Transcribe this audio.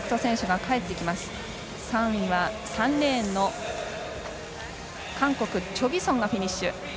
３位は３レーンの韓国チョ・ギソンがフィニッシュ。